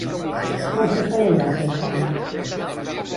Quan se celebra el seu sant?